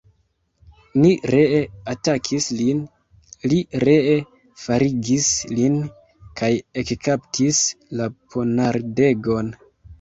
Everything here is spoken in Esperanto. Ni ree atakis lin, li ree faligis nin kaj ekkaptis la ponardegon.